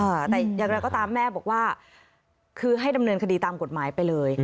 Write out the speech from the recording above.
แต่อย่างไรก็ตามแม่บอกว่าคือให้ดำเนินคดีตามกฎหมายไปเลย